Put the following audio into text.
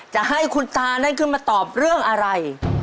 จะให้คุณตานั้นขึ้นมาตอบเรื่องอะไร